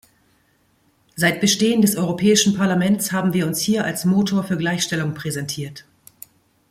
Seit Bestehen des Europäischen Parlaments haben wir uns hier als Motor für Gleichstellung präsentiert.